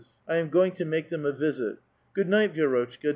I am going to make them a visit. Grood night,* Vi^rotchka.